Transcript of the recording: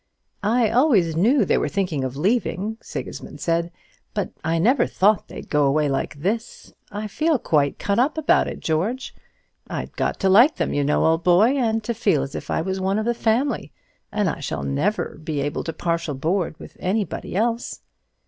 "I always knew they were thinking of leaving," Sigismund said, "but I never thought they'd go away like this. I feel quite cut up about it, George. I'd got to like them, you know, old boy, and to feel as if I was one of the family; and I shall never be able to partial board with any body else."